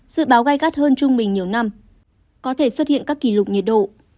dự báo gai gắt hơn trung bình nhiều năm có thể xuất hiện các kỷ lục nhiệt độ